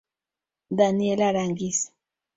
Daniela Aránguiz